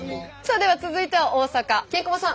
では続いては大阪ケンコバさん。